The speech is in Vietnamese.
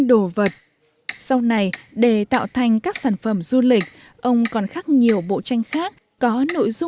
khâu nào cũng quan trọng